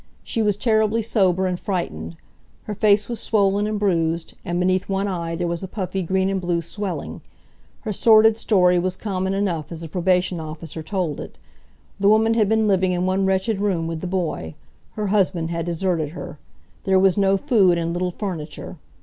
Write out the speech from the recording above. She was terribly sober and frightened. Her face was swollen and bruised, and beneath one eye there was a puffy green and blue swelling. Her sordid story was common enough as the probation officer told it. The woman had been living in one wretched room with the boy. Her husband had deserted her. There was no food, and little furniture.